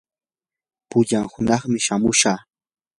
pullan hunaqmi shamushaq.